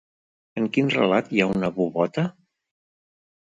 En quin relat hi ha una bubota?